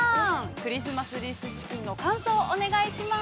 クリスマスリースチキンの感想をお願いします。